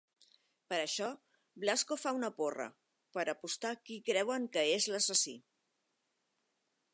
Per això, Blasco fa una porra, per apostar qui creuen que és l'assassí.